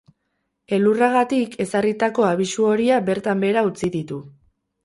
Elurragatik ezarritako abisu horia bertan behera utzi ditu.